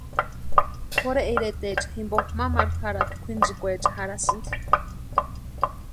Pʼorhe iretaecha jimpo mamaru jarhati kwʼinchikwaecha jarhasïnti.